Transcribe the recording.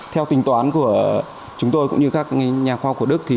theo tính toán của chúng tôi cũng như các nhà khoa học của đức